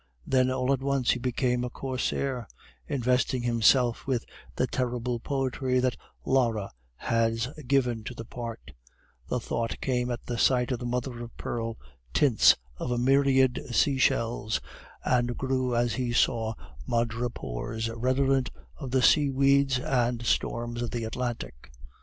Then all at once he became a corsair, investing himself with the terrible poetry that Lara has given to the part: the thought came at the sight of the mother of pearl tints of a myriad sea shells, and grew as he saw madrepores redolent of the sea weeds and the storms of the Atlantic.